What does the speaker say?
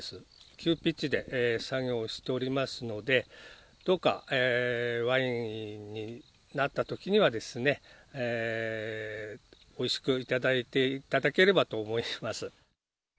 急ピッチで作業をしておりますので、どうかワインになったときにはですね、おいしく頂いていただければと思います。